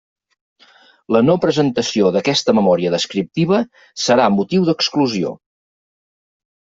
La no presentació d'aquesta memòria descriptiva serà motiu d'exclusió.